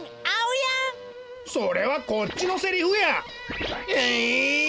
それはこっちのセリフや！